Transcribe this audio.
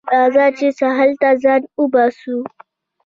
راځه چې ساحل ته ځان وباسو